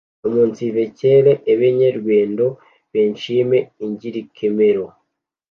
Umunsive kere, Ebenyerwende beshime ingirekemero